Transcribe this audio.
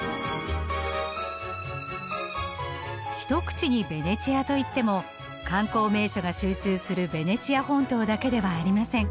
一口にベネチアと言っても観光名所が集中するベネチア本島だけではありません。